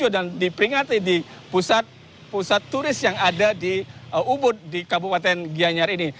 dan diperingati di pusat turis yang ada di ubud di kabupaten gianyar ini